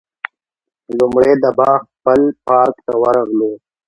لومړی د باغ پل پارک ته ورغلو.